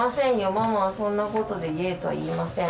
ママはそんなことでイエイとは言えません。